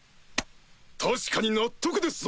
確かに納得ですぞ。